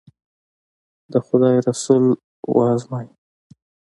د خدای رسول و ازمایي.